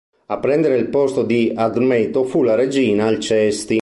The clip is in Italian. A prendere il posto di Admeto fu la regina Alcesti.